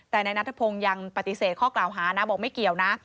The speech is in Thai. แต่นายนัทพงศ์ยังปฏิเสธข้อกล่าวหานะบอกไม่เกี่ยวนะ